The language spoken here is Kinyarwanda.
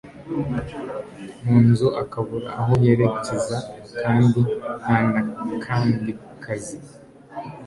mu nzu akabura aho yerekeza kandi ntanakandi kazi